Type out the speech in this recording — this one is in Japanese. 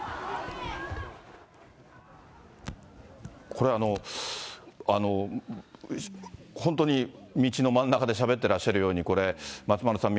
これ、本当に道の真ん中でしゃべってらっしゃるように、これ、松丸さん、